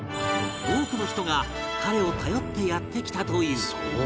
多くの人が彼を頼ってやって来たという